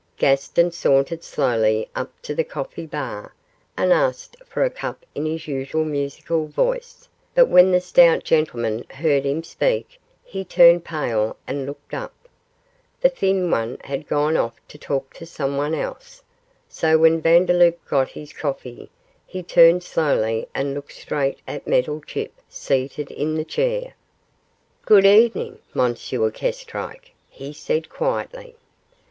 Gaston sauntered slowly up to the coffee bar, and asked for a cup in his usual musical voice, but when the stout gentleman heard him speak he turned pale and looked up. The thin one had gone off to talk to someone else, so when Vandeloup got his coffee he turned slowly round and looked straight at Meddlechip seated in the chair. 'Good evening, M. Kestrike,' he said, quietly.